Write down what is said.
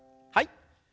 はい。